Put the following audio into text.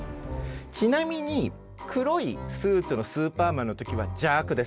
ちなみに黒いスーツのスーパーマンの時は邪悪です。